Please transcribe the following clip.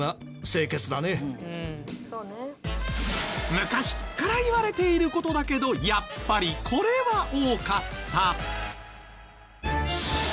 昔から言われている事だけどやっぱりこれは多かった。